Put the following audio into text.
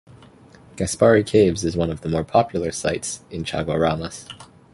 Gasparee Caves is one of the more popular sites in Chaguaramas.